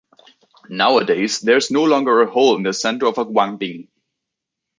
Nowadays, there is no longer a hole in the center of a Guangbing.